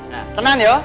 nah tenang ya